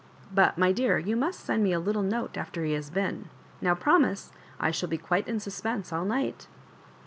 But^ my dear, you must send me a tittle note after he has been. Now promise. I shall be quite in suspense all night."